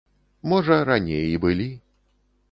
Можа раней і былі.